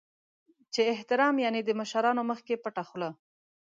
چې احترام یعنې د مشرانو مخکې پټه خوله .